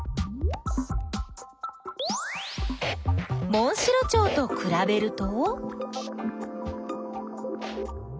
モンシロチョウとくらべると？